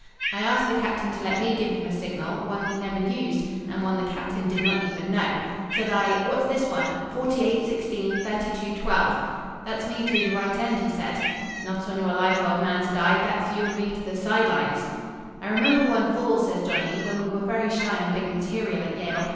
I asked the captain to let me give him a signal; one we never used, and one the captain did not even know. "Said I, 'What's this one 48 16 32 12?' "'That's me through the right end,' he said. "'Not on your life, old man,' said I, 'that's you and me to the side lines!' "I remember one fall," says Johnny, "when we were very shy on big material at Yale.